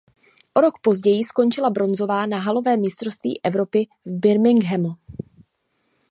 O rok později skončila bronzová na halovém mistrovství Evropy v Birminghamu.